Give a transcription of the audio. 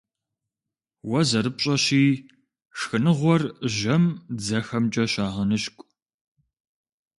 Уэ зэрыпщӀэщи, шхыныгъуэр жьэм дзэхэмкӀэ щагъэныщкӀу.